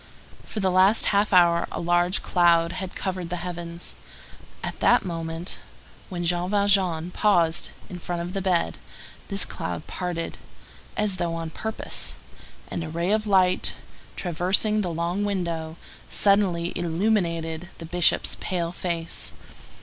For the last half hour a large cloud had covered the heavens. At the moment when Jean Valjean paused in front of the bed, this cloud parted, as though on purpose, and a ray of light, traversing the long window, suddenly illuminated the Bishop's pale face.